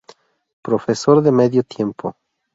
Profesor de Medio Tiempo